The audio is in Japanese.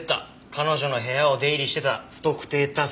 彼女の部屋を出入りしてた不特定多数の男。